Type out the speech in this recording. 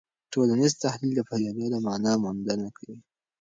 ټولنیز تحلیل د پدیدو د مانا موندنه کوي.